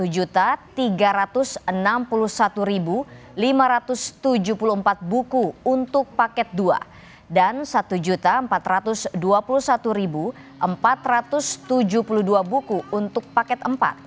satu tiga ratus enam puluh satu lima ratus tujuh puluh empat buku untuk paket dua dan satu empat ratus dua puluh satu empat ratus tujuh puluh dua buku untuk paket empat